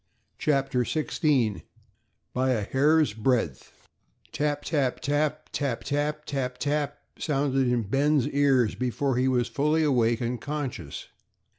CHAPTER XVI BY A HAIR'S BREADTH Tap, tap, tap, tap tap, tap tap, tap, tap sounded in Ben's ears before he was fully awake and conscious.